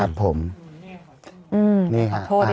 อื้อขอโทษเรียบร้อย